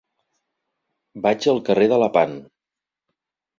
Vaig al carrer de Lepant.